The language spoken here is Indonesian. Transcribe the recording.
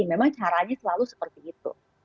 memang caranya selalu seperti itu